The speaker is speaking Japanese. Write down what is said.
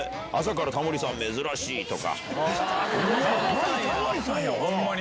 マジでタモリさんやホンマに！